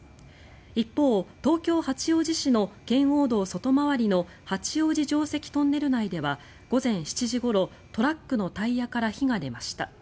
一方、東京・八王子市の圏央道外回りの八王子城跡トンネル内では午前７時ごろトラックのタイヤから火が出ました。